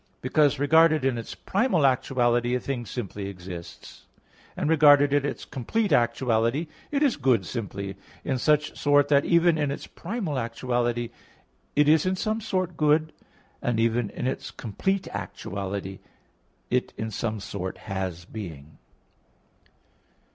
Because, regarded in its primal actuality, a thing simply exists; and regarded in its complete actuality, it is good simply in such sort that even in its primal actuality, it is in some sort good, and even in its complete actuality, it in some sort has being.